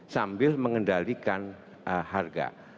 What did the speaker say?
sambil mengendalikan harga